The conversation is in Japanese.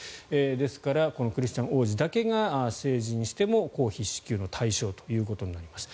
ですからこのクリスチャン王子だけが成人しても公費支給の対象ということになります。